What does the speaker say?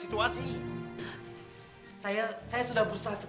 tunggu tunggu tunggu